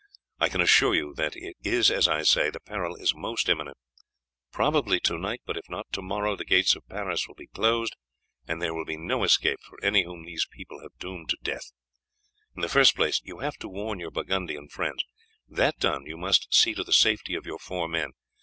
I can assure you that it is as I say; the peril is most imminent. Probably to night, but if not, to morrow the gates of Paris will be closed, and there will be no escape for any whom these people have doomed to death. In the first place, you have to warn your Burgundian friends; that done, you must see to the safety of your four men.